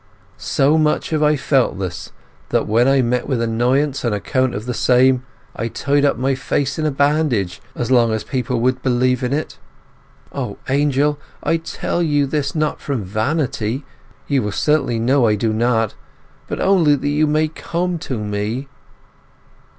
So much have I felt this, that when I met with annoyance on account of the same, I tied up my face in a bandage as long as people would believe in it. O Angel, I tell you all this not from vanity—you will certainly know I do not—but only that you may come to me!